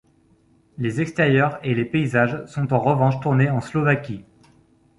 Les extérieurs et les paysages sont en revanche tournés en Slovaquie.